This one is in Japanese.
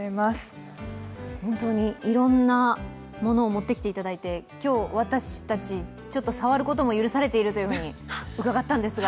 本当にいろんなものを持ってきていただいて今日、私たち、触ることも許されていると伺ったんですが。